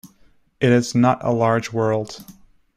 It is not a large world.